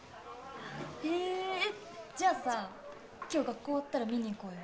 へえじゃあさ今日学校終わったら見に行こうよ